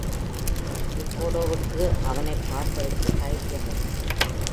Ricardo-வுக்கு அவனைப் பார்ப்பதற்கு தைரியம் இல்லை.